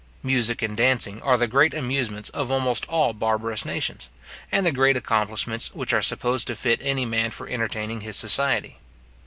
Music and dancing are the great amusements of almost all barbarous nations, and the great accomplishments which are supposed to fit any man for entertaining his society.